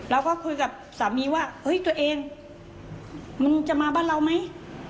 เราก็คุยกับสามีว่าเฮ้ยตัวเองมึงจะมาบ้านเราไหม